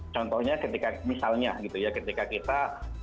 contohnya ketika misalnya gitu ya ketika kita